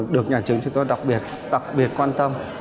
được nhà trường chúng tôi đặc biệt quan tâm